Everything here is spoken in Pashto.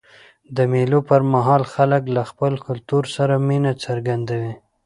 د مېلو پر مهال خلک له خپل کلتور سره مینه څرګندوي.